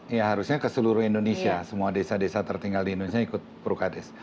ya harusnya ke seluruh indonesia semua desa desa tertinggal di indonesia ikut prukades